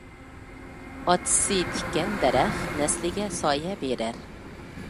ئاتىسى تىككەن دەرەخ، نەسلىگە سايە بېرەر.